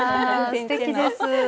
すてきです。